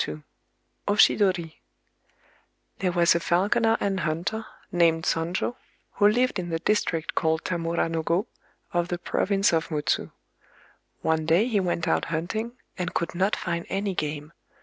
OSHIDORI There was a falconer and hunter, named Sonjō, who lived in the district called Tamura no Gō, of the province of Mutsu. One day he went out hunting, and could not find any game.